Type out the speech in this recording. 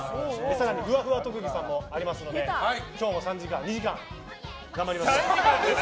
更に、ふわふわ特技さんもありますので今日も３時間２時間頑張りましょう。